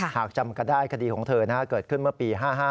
จำกันได้คดีของเธอเกิดขึ้นเมื่อปี๕๕